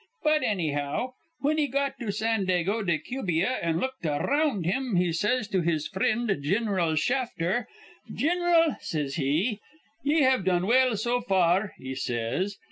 But, annyhow, whin he got to Sandago de Cubia an' looked ar round him, he says to his frind Gin'ral Shafter, 'Gin'ral,' says he, 'ye have done well so far,' he says.